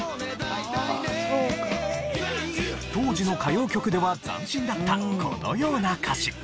当時の歌謡曲では斬新だったこのような歌詞。